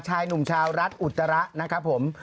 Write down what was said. ชายหนุ่มชาวรัฐอุจจาระนะครับผม